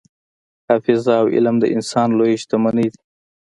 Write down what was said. حافظه او علم د انسان لویې شتمنۍ دي.